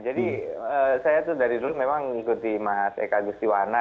jadi saya tuh dari dulu memang ikuti mas eka gustiwana